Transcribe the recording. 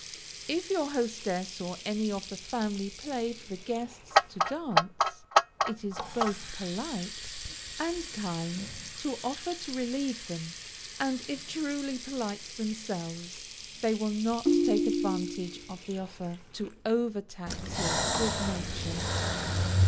If your hostess or any of the family play for the guests to dance, it is both polite and kind to offer to relieve them; and if truly polite themselves, they will not take advantage of the offer, to over tax your good nature.